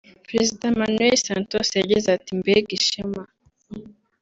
Perezida Manuel Santos yagize ati “ Mbega ishema